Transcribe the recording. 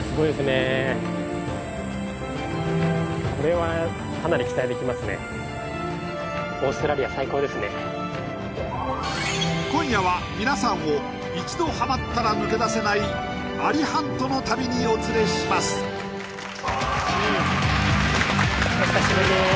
はい果たしてお目当ての今夜は皆さんを一度ハマったら抜け出せないアリハントの旅にお連れしますお久しぶりです